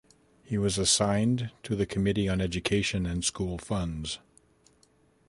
He was assigned to the committee on education and school funds.